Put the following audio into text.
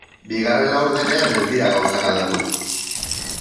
Bigarren laurdenean ez dira gauzak aldatu.